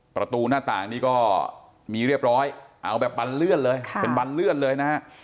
ประตูหน้าต่างนี่ก็มีเรียบร้อยเอาแบบบันเลื่อนเลยเป็นบันเลื่อนเลยนะฮะ